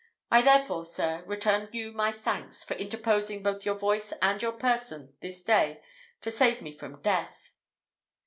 I therefore, sir, return you my thanks, for interposing both your voice and your person, this day, to save me from death."